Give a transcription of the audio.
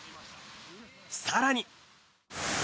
さらに。